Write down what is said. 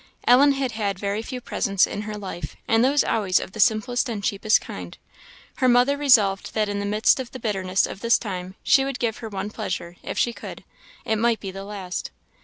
Ellen had had very few presents in her life, and those always of the simplest and cheapest kind; her mother resolved that in the midst of the bitterness of this time she would give her one pleasure, if she could it might be the last.